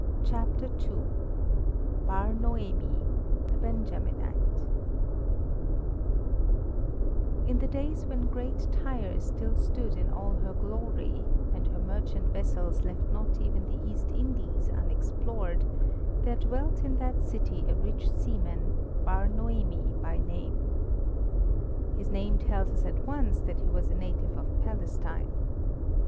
CHAPTER II BAR NOEMI, THE BENJAMINITE In the days when great Tyre still stood in all her glory, and her merchant vessels left not even the East Indies unexplored, there dwelt in that city a rich seaman, Bar Noemi by name. His name tells us at once that he was a native of Palestine.